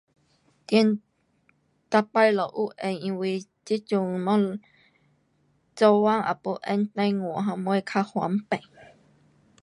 电每次也用因为现在工作不用电话因为比较方便